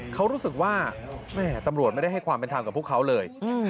เขารู้สึกว่าแม่ตำรวจไม่ได้ให้ความเป็นธรรมกับพวกเขาเลย